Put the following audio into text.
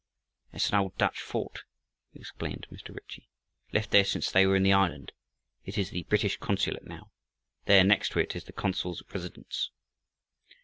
"That's an old Dutch fort," explained Mr. Ritchie, "left there since they were in the island. It is the British consulate now. There, next to it, is the consul's residence."